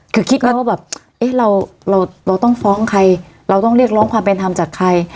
คือคิดไหมว่าแบบเอ๊ะเราเราต้องฟ้องใครเราต้องเรียกร้องความเป็นธรรมจากใคร